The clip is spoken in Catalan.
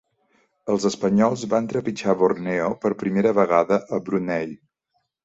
Els espanyols van trepitjar Borneo per primera vegada a Brunei.